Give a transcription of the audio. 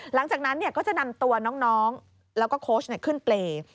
หลังจากนั้นก็จะนำตัวน้องแล้วก็โค้ชขึ้นเปรย์